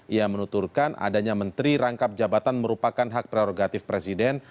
ia menuturkan adanya menteri rangkap jabatan merupakan hak prerogatif presiden